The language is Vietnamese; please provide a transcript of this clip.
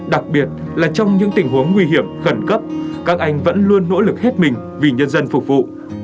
đặc biệt là trong những tình huống nguy hiểm khẩn cấp các anh vẫn luôn nỗ lực hết mình vì nhân dân phục vụ